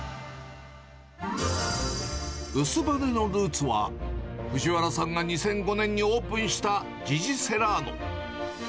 ウスバネのルーツは、藤原さんが２００５年にオープンした、ジジセラーノ。